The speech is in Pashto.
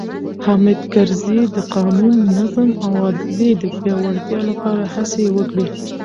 حامد کرزي د قانون، نظم او عدلیې د پیاوړتیا لپاره هڅې وکړې.